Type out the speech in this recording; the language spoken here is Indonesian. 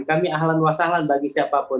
kami ahlan wasalan bagi siapapun